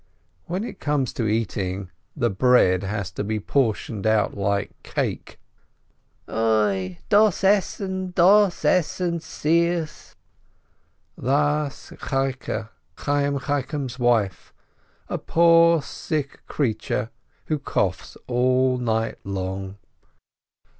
When it comes to eating, the bread has to be por tioned out like cake. "Oi, dos Essen, dos Essen seiers!" Thus Chaike, Chayyim Chaikin's wife, a poor, sick creature, who coughs all night long.